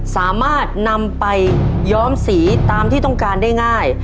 สามารถนำไปย้อมสีตามที่ต้องการได้ง่าย